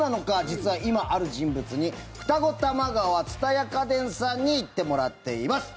実は今、ある人物に二子玉川蔦屋家電さんに行ってもらっています。